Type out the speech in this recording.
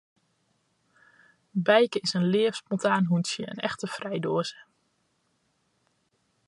Bijke is in leaf, spontaan hûntsje, in echte frijdoaze.